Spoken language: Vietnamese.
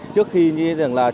trước khi như là